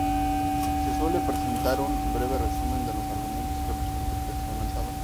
Se suele presentar un breve resumen de los argumentos que presenta el texto analizado.